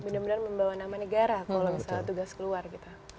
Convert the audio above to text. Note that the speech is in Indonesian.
benar benar membawa nama negara kalau misalnya tugas keluar gitu